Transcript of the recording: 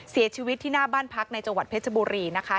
เสียชีวิตที่หน้าบ้านพักในจังหวัดเพชรบุรีนะคะ